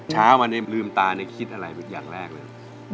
เช้าอันนี้ลืมตาเนี้ยคิดอะไรเป็นอย่างแรกเลย